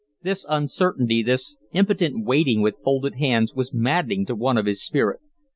This uncertainty, this impotent waiting with folded hands, was maddening to one of his spirit.